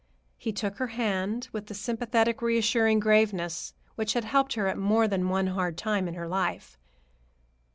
He took her hand with the sympathetic, reassuring graveness which had helped her at more than one hard time in her life.